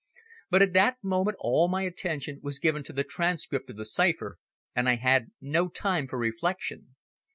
But at that moment all my attention was given to the transcript of the cipher, and I had no time for reflection.